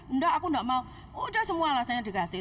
enggak aku enggak mau udah semua alasannya dikasih